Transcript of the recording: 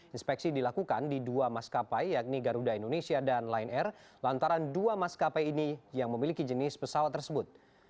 inspeksi dilakukan di dua maskapai yakni garuda indonesia dan lion air lantaran dua maskapai ini yang memiliki jenis pesawat tersebut